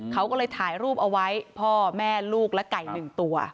เขาก็เลยถ่ายรูปเอาไว้พ่อแม่ลูกและไก่หนึ่งตัว